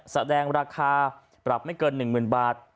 แสดงราคาปรับไม่เกิน๑๐๐๐บาท